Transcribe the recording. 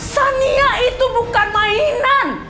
sania itu bukan mainan